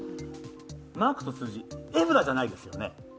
マークと数字、絵札じゃないですよね。